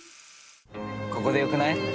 ここでよくない？